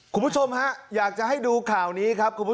คุณผู้ชมฮะอยากจะให้ดูข่าวนี้ครับคุณผู้ชม